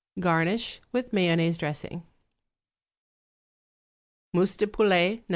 Garnish with mayonnaise dressing. =Mousse de Poulet, No.